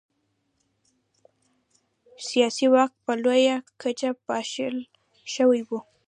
سیاسي واک په لویه کچه پاشل شوی و.